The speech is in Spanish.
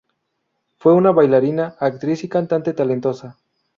Fue una bailarina, actriz y cantante talentosa.